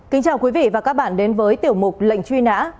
kính chào quý vị và các bạn đến với tiểu mục lệnh truy nã